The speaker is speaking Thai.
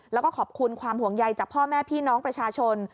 แล้วก็ขอบคุณความห่วงใยจากพ่อแม่พี่น้องประชาชน